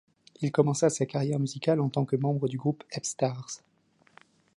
Il commença sa carrière musicale en tant que membre du groupe Hep Stars.